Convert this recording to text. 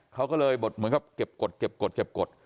เขาก็เลยเหมือนกับเก็บกฎเก็บกฎเก็บกฎ